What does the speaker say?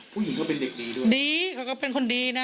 ผู้หญิงก็เป็นเด็กดีด้วยดีเขาก็เป็นคนดีนะ